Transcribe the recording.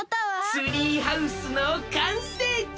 ツリーハウスのかんせいじゃ！